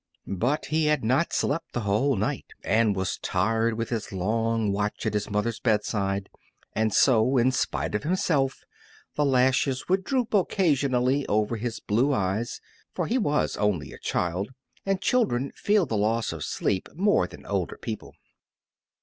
But he had not slept the whole night, and he was tired with his long watch at his mother's bedside, and so in spite of himself the lashes would droop occasionally over his blue eyes, for he was only a child, and children feel the loss of sleep more than older people.